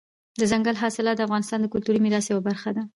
دځنګل حاصلات د افغانستان د کلتوري میراث یوه برخه ده.